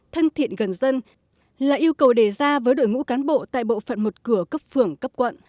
thân thiện gần dân là yêu cầu đề ra với đội ngũ cán bộ tại bộ phận một cửa cấp phường cấp quận